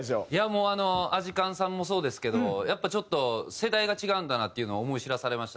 もうアジカンさんもそうですけどやっぱりちょっと世代が違うんだなっていうのを思い知らされましたね。